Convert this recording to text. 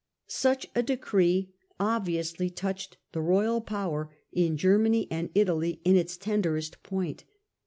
Such a decree obviously touched the royal power in Germany and Italy in its tenderest point.